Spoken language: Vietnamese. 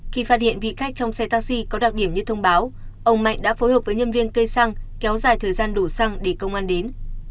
khi phát hiện vị khách trong xe taxi có đặc điểm như thông báo ông mạnh đã phối hợp với nhân viên cây xăng kéo dài thời gian đủ xăng để công an đến